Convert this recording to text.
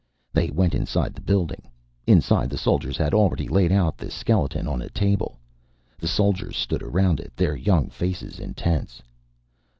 They went inside the building. Inside, the soldiers had already laid out the skeleton on a table. The soldiers stood around it, their young faces intense.